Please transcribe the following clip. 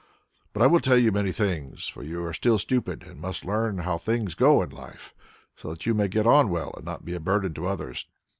But I will tell you many things, for you are still stupid, and must learn how things go in life, so that you may get on well, and not be a burden to others.